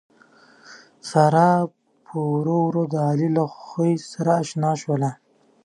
ساره پّ ورو ورو د علي له خوي سره اشنا شوله